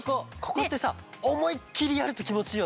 ここってさおもいっきりやるときもちいいよね。